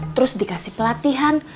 terus dikasih pelatihan